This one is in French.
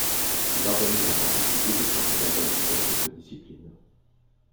Il organise en particulier les championnats d'Asie dans cette discipline.